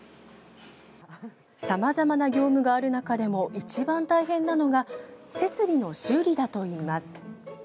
さまざまな業務がある中でも一番大変なのが設備の修理だといいます。